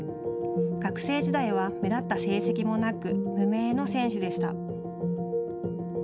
学生時代は目立った成績もなく無名の選手でした。